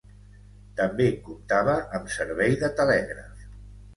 També comptava amb servei de telègraf.